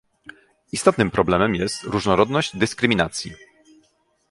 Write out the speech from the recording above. Istotnym problemem jest różnorodność dyskryminacji